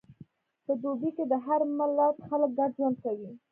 په دوبی کې د هر ملت خلک ګډ ژوند کوي.